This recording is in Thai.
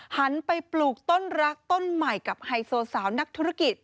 หันไปปลูกต้นรักต้นใหม่กับไฮโซสาวนักธุรกิจ